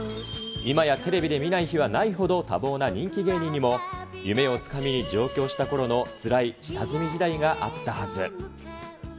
今やテレビで見ない日はないほどの多忙な人気芸人にも、夢をつかみ上京したころのつらい下積み時代があったはず。